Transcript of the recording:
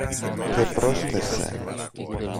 Και πρόσθεσε